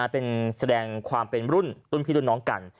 เป็นแสดงความเป็นรุ่นพี่รุ่นน้องกัน